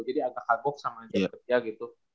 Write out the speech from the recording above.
jadi agak kagok sama aja kerja gitu